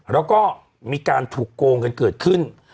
แล้วก็มีการถูกโกงกันเกิดขึ้น